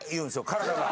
体が。